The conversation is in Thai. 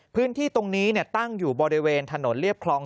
พื้นที่ตรงนี้ตั้งอยู่บริเวณถนนเรียบคลอง